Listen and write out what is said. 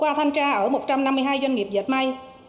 qua thanh tra ở một trăm năm mươi hai doanh nghiệp dệt may